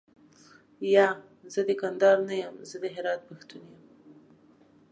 یا، زه د کندهار نه یم زه د هرات پښتون یم.